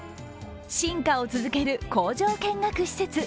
進化を続ける工場見学施設。